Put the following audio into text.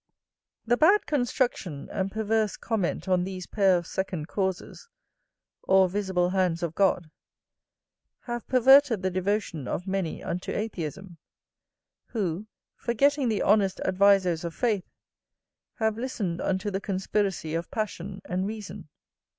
The bad construction and perverse comment on these pair of second causes, or visible hands of God, have perverted the devotion of many unto atheism; who, forgetting the honest advisoes of faith, have listened unto the conspiracy of passion and reason.